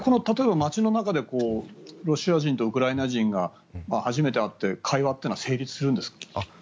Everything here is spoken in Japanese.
じゃあ、街の中でロシア人とウクライナ人が初めて会って会話は成立するんですか。